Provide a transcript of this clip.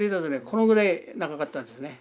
このぐらい長かったんですね。